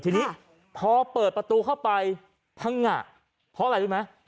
ทีนี้พอเปิดประตูเข้าไปพังงะเพราะอะไรรู้ไหม